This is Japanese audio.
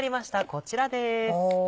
こちらです。